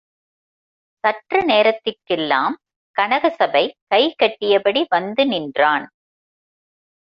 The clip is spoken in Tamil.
சற்று நேரத்திற்கெல்லாம் கனகசபை கை கட்டியபடி வந்து நின்றான்.